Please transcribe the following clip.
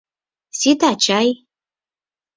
Сита чай?